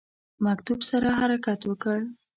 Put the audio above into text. مکتوب سره حرکت وکړ.